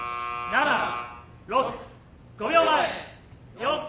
７６５秒前４３。